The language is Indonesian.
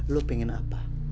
lo pengen apa